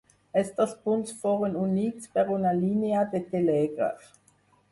Els dos punts foren units per una línia de telègraf.